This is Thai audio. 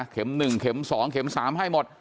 ๑เข็ม๒เข็ม๓ให้หมด